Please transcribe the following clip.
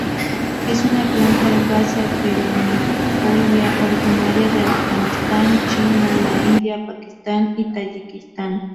Es una planta herbácea perennifolia originaria de Afganistán, China, la India, Pakistán y Tayikistán.